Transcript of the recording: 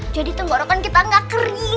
jadi tenggorokan kita gak kering